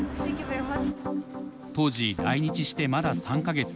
当時来日してまだ３か月。